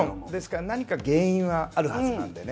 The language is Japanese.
何か原因はあるはずなんでね